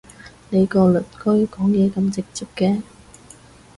你個鄰居講嘢咁直接嘅？